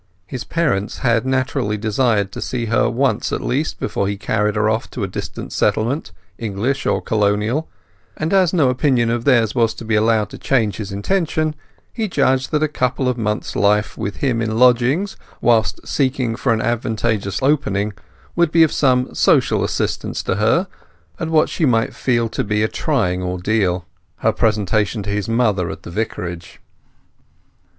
His parents had naturally desired to see her once at least before he carried her off to a distant settlement, English or colonial; and as no opinion of theirs was to be allowed to change his intention, he judged that a couple of months' life with him in lodgings whilst seeking for an advantageous opening would be of some social assistance to her at what she might feel to be a trying ordeal—her presentation to his mother at the Vicarage.